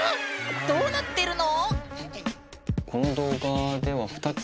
どうなってるの⁉